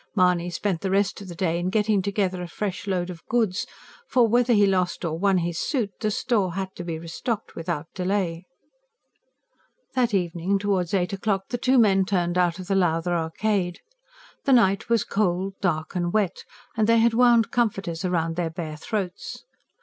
Mahony spent the rest of the day in getting together a fresh load of goods. For, whether he lost or won his suit, the store had to be restocked without delay. That evening towards eight o'clock the two men turned out of the Lowther Arcade. The night was cold, dark and wet; and they had wound comforters round their bare throats.